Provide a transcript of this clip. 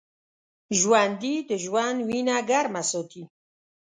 ژوندي د ژوند وینه ګرمه ساتي